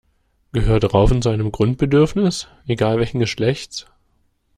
Gehört Raufen zu einem Grundbedürfnis? Egal welchen Geschlechts.